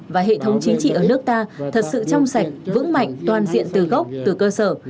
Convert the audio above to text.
và hệ thống chính trị ở nước ta thật sự trong sạch vững mạnh toàn diện từ gốc từ cơ sở